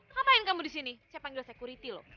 ngapain kamu di sini siapa yang jual security loh